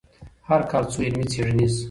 هر کال څو علمي څېړنيز